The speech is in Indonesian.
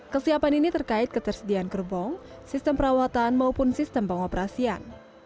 kesiapan ini terkait ketersediaan gerbong sistem perawatan maupun sistem pengoperasian